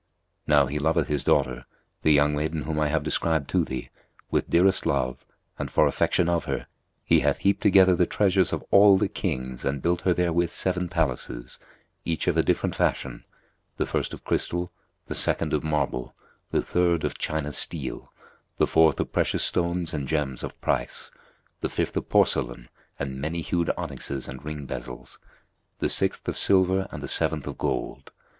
Now he loveth his daughter, the young maiden whom I have described to thee, with dearest love and, for affection of her, he hath heaped together the treasures of all the kings and built her therewith seven palaces, each of a different fashion; the first of crystal, the second of marble, the third of China steel, the fourth of precious stones and gems of price, the fifth of porcelain and many hued onyxes and ring bezels, the sixth of silver and the seventh of gold.